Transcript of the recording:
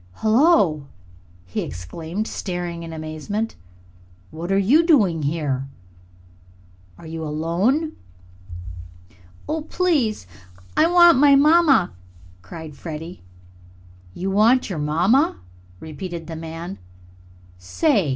"Hullo!" he exclaimed, starting in amazement. "What are you doing here? Are you alone?" "Oh, please, I want my mamma!" cried Freddie. "You want your mamma?" repeated the man. "Say!"